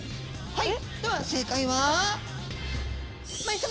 はい！